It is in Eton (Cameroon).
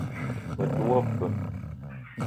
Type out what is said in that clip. Me te wo peum.